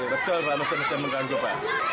betul pak maksudnya mengganggu pak